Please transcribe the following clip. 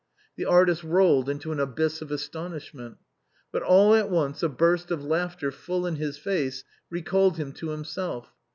The artist rolled into an abyss of astonishment. But all at once a burst of laughter full in his face re called him to himself.